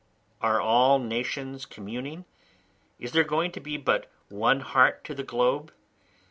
Are all nations communing? is there going to be but one heart to the globe?